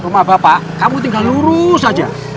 rumah bapak kamu tinggal lurus saja